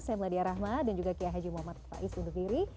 saya meladia rahma dan juga kiai haji muhammad faiz undur diri